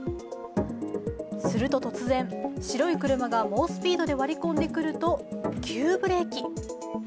すると突然、白い車が猛スピードで割り込んでくると急ブレーキ！